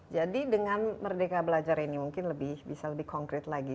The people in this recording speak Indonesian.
jadi dengan merdeka belajar ini mungkin bisa lebih konkret lagi